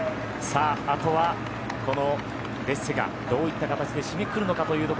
あとはこのデッセがどういった形で締めくくるのか。